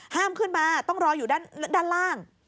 ห้ามขึ้นมาต้องรออยู่ด้านล่าง